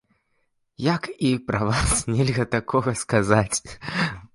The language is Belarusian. Як і пра вас нельга такога сказаць.